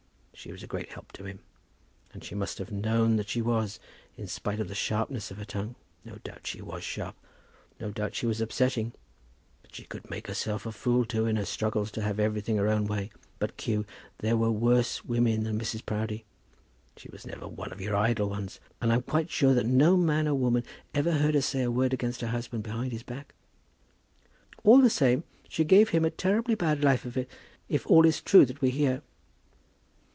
She was a great help to him, and he must have known that she was, in spite of the sharpness of her tongue. No doubt she was sharp. No doubt she was upsetting. And she could make herself a fool too in her struggles to have everything her own way. But, Q., there were worse women than Mrs. Proudie. She was never one of your idle ones, and I'm quite sure that no man or woman ever heard her say a word against her husband behind his back." "All the same, she gave him a terribly bad life of it, if all is true that we hear."